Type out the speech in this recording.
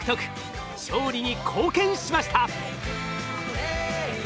勝利に貢献しました。